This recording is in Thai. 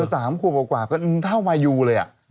สาวขวบกว่าก็เงินเท่ามายูเลยอะ